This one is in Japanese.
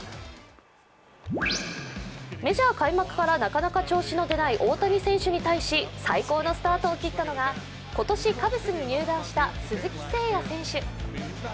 メジャー開幕からなかなか調子の出ない大谷選手に対し最高のスタートを切ったのが今年カブスに入団した鈴木誠也選手。